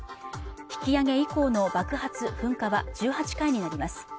引き上げ以降の爆発噴火は１８回になります